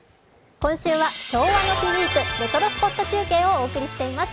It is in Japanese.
今週は「昭和の日ウィークレトロスポット中継」をお送りしています。